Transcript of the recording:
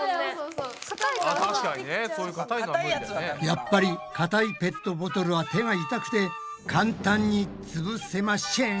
やっぱりかたいペットボトルは手が痛くて簡単につぶせましぇん。